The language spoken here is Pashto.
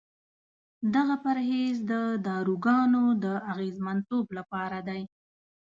دغه پرهیز د داروګانو د اغېزمنتوب لپاره دی.